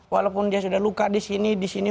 walaupun dia sudah luka di sini di sini